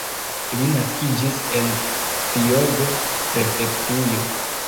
Li naskiĝis en Hjogo-prefektujo.